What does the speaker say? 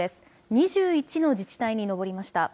２１の自治体に上りました。